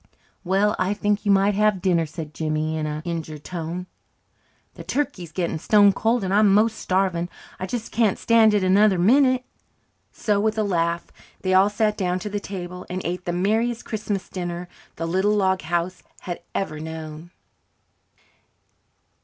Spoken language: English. "Well, I think you might have dinner," said Jimmy in an injured tone. "The turkey's getting stone cold, and I'm most starving. I just can't stand it another minute." So, with a laugh, they all sat down to the table and ate the merriest Christmas dinner the little log house had ever known.